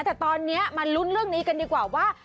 แต่ตอนนี้มาลุ้นเรื่องนี้กันดีกว่าว่า